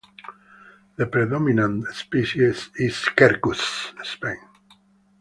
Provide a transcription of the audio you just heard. The predominant species is "Quercus" sp.